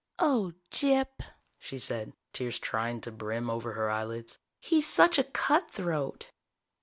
"Oh, Gyp," she said, tears trying to brim over her eyelids. "He's such a cutthroat!"